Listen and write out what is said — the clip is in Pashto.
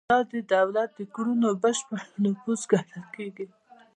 دا د دولت د کړنو بشپړ نفوذ ګڼل کیږي.